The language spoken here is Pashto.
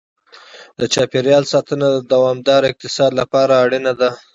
د چاپېریال ساتنه د دوامدار اقتصاد لپاره اړینه ده.